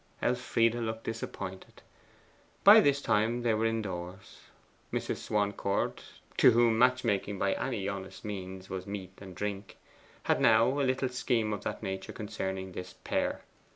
Elfride looked disappointed. By this time they were indoors. Mrs. Swancourt, to whom match making by any honest means was meat and drink, had now a little scheme of that nature concerning this pair.